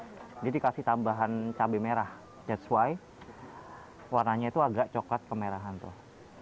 jadi dikasih tambahan cabe merah that s why warnanya itu agak coklat kemerahan tuh